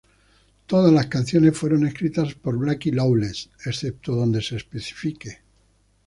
Todas las canciones fueron escritas por Blackie Lawless, excepto donde se especifique.